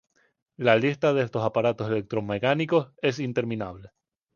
La lista de estos aparatos electromecánicos es interminable.